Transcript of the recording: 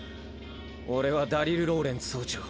俺はダリル・ローレンツ曹長。